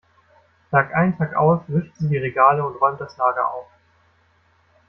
Tagein tagaus wischt sie die Regale und räumt das Lager auf.